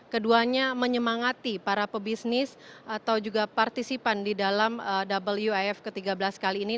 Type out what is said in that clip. keduanya menyemangati para pebisnis atau juga partisipan di dalam wif ke tiga belas kali ini